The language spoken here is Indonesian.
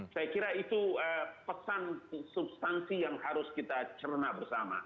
saya kira itu pesan substansi yang harus kita ceruna bersama